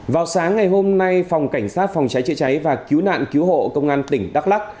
vào sáng ngày hôm nay phòng cảnh sát phòng trái trị trái và cứu nạn cứu hộ công an tỉnh đắk lắc